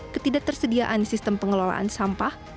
ketidaktersediaan sistem pengelolaan sampah